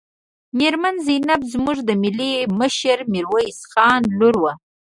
میرمن زینب زموږ د ملي مشر میرویس خان لور وه.